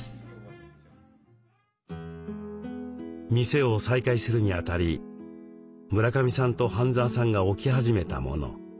店を再開するにあたり村上さんと半澤さんが置き始めたもの。